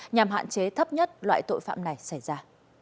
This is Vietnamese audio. nhằm hạn chế thấp nhất loại tội phạm này xảy ra